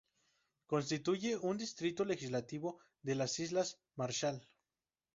Constituye un distrito legislativo de las Islas Marshall.